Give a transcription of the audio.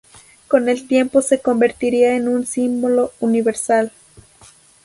Con el tiempo se convertiría en un símbolo universal.